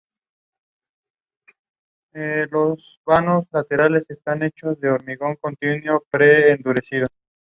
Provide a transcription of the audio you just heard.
Se desvela igualmente que Edward West era amante de la viuda de Rice, Gertrude.